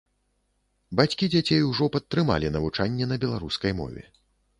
Бацькі дзяцей ужо падтрымалі навучанне на беларускай мове.